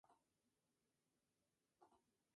Sara, dejó el grupo en el mes de abril.